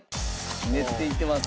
練っていってます。